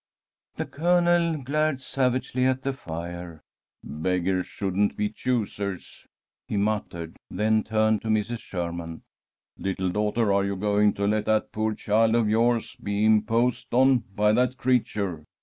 The Colonel glared savagely at the fire. "Beggars shouldn't be choosers," he muttered, then turned to Mrs. Sherman. "Little daughter, are you going to let that poor child of yours be imposed on by that creature?"